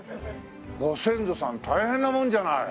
ご先祖さん大変なもんじゃない。